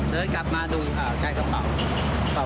เดินกลับมาดูอ้าวใกล้กระเป๋า